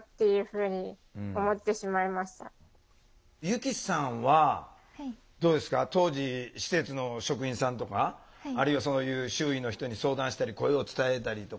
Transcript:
ゆきさんはどうですか当時施設の職員さんとかあるいはそういう周囲の人に相談したり声を伝えたりとかしたことあります？